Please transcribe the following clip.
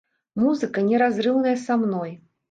Музыка не разрыўная са мной.